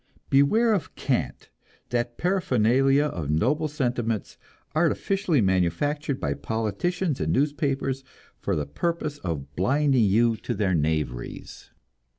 Beware of cant that paraphernalia of noble sentiments, artificially manufactured by politicians and newspapers for the purpose of blinding you to their knaveries.